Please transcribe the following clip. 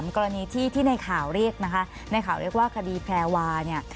กรณีที่ในข่าวเรียกนะคะในข่าวเรียกว่าคดีแพรวาเนี่ย